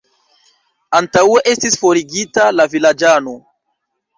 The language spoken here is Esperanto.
Antaŭe estis forigita la vilaĝano.